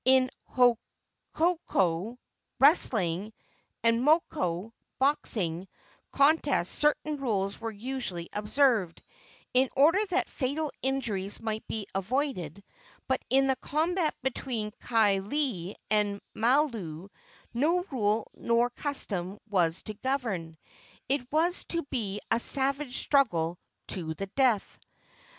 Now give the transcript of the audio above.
In hakoko (wrestling) and moko (boxing) contests certain rules were usually observed, in order that fatal injuries might be avoided; but in the combat between Kaaialii and Mailou no rule or custom was to govern. It was to be a savage struggle to the death.